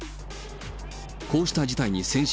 こうした事態に先週、